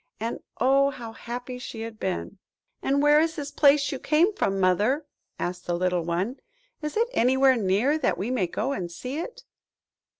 And, oh, how happy she had been! "And where is the place you came from, Mother?" asked the little one. "Is it anywhere near, that we may go and see it?"